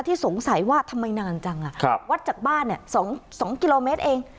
สงสัยว่าทำไมนานจังวัดจากบ้าน๒กิโลเมตรเอง